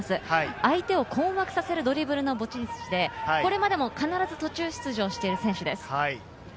相手を困惑させるドリブルが持ち味で、必ず途中出場している選手です。